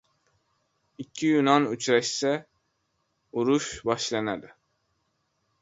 • Ikki yunon uchrashsa, urush boshlanadi.